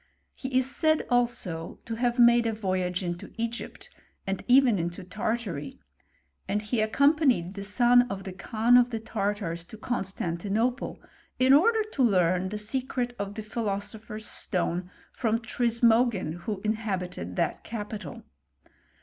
He is said also to have made a voyage into Egypt, und even into Tartary ; and he accompanied the son of the Kan of the Tartars to Constantinople, in order t9 learn the secret of the philosopher's stone fron^ Tfismogin, who inhabited that capital.